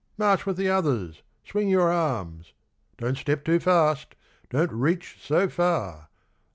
March with the others — swing your arms, Don't step too fast — don't reach so far.